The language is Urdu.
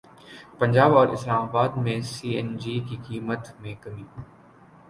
پنجاب اور اسلام اباد میں سی این جی کی قیمت میں کمی